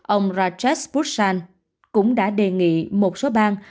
ông rajesh bhushan cũng đã đề nghị một số bang